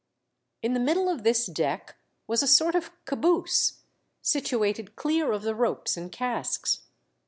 In the middle of this deck was a sort of caboose, situated clear of the ropes and casks.